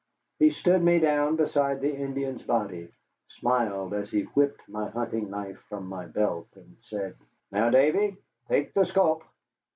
He stood me down beside the Indian's body, smiled as he whipped my hunting knife from my belt, and said, "Now, Davy, take the sculp."